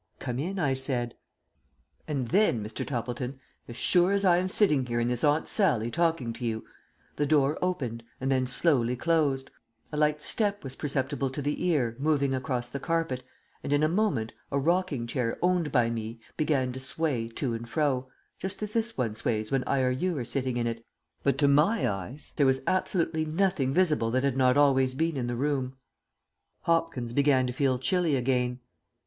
"'Come in,' I said. "And then, Mr. Toppleton, as sure as I am sitting here in this Aunt Sallie talking to you, the door opened and then slowly closed, a light step was perceptible to the ear, moving across the carpet, and in a moment a rocking chair owned by me began to sway to and fro, just as this one sways when I or you are sitting in it, but to my eyes there was absolutely nothing visible that had not always been in the room." Hopkins began to feel chilly again.